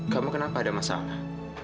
kamu kenapa ada masalah